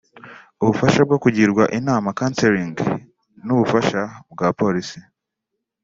ubufasha bwo kugirwa inama (counseling) n’ubufasha bwa Polisi